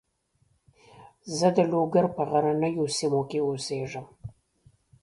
زه د لوګر په غرنیو سیمو کې اوسېږم.